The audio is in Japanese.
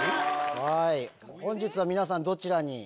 本日は皆さんどちらに？